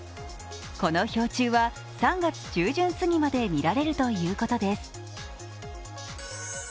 この氷柱は３月中旬過ぎまで見られるということです。